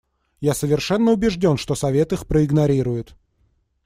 Я совершенно убежден, что Совет их проигнорирует.